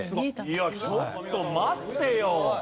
いやちょっと待ってよ。